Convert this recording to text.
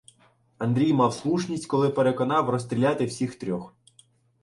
Андрій мав слушність, коли переконував розстріляти всіх трьох.